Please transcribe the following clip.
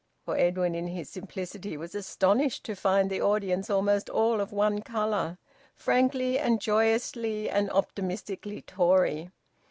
For Edwin in his simplicity was astonished to find the audience almost all of one colour, frankly and joyously and optimistically Tory.